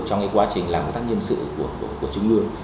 trong cái quá trình làm công tác nhiệm sự của trung ương